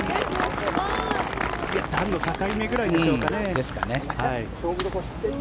段の境目くらいでしょうかね。